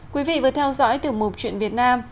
quý vị vừa theo dõi tiểu mục chuyện việt nam